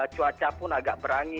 cuaca pun agak berangkat